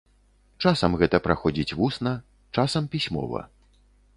Часам гэта праходзіць вусна, часам пісьмова.